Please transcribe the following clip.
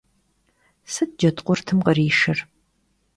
Sıt cedkhurtım khrişşır?